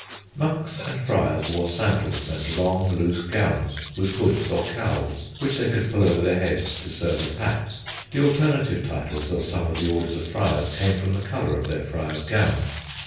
Monks and friars wore sandals, and long, loose gowns with hoods or cowls which they could pull over their heads to serve as hats. The alternative titles of some of the orders of friars came from the colour of their friars' gowns.